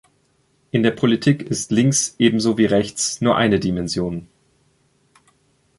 In der Politik ist links ebenso wie rechts nur eine Dimension.